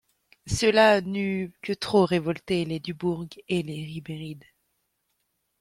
Cela n'eût que trop révolté les Dubourg et les Ribéride.